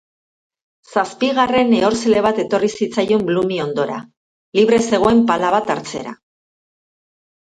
Zazpigarren ehorzle bat etorri zitzaion Bloomi ondora, libre zegoen pala bat hartzera.